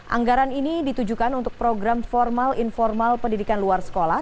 anggaran ini ditujukan untuk program formal informal pendidikan luar sekolah